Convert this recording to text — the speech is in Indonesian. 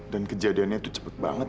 dan kejadiannya itu cepet banget